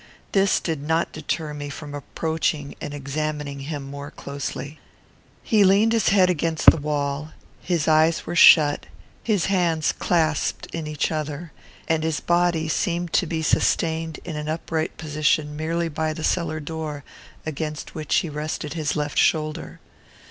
This did not deter me from approaching and examining him more closely. He leaned his head against the wall; his eyes were shut, his hands clasped in each other, and his body seemed to be sustained in an upright position merely by the cellar door against which he rested his left shoulder.